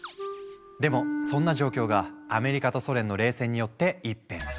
でもそんな状況がアメリカとソ連の冷戦によって一変。